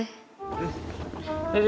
duh duh duh